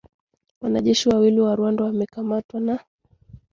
wanajeshi wawili wa Rwanda wamekamatwa na